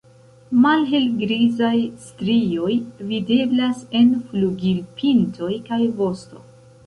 Malhelgrizaj strioj videblas en flugilpintoj kaj vosto.